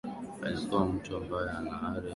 Alikuwa mtu ambaye ana ari ya kusoma